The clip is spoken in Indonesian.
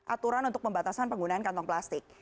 aturan untuk pembatasan penggunaan kantong plastik